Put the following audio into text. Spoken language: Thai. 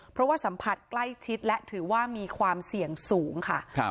เพราะว่าสัมผัสใกล้ชิดและถือว่ามีความเสี่ยงสูงค่ะ